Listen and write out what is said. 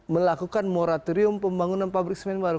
melakukan moratorium pembangunan pabrik semen baru